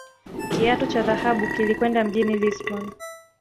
Kiatu cha dhahabu kilikwenda mjini Lisbon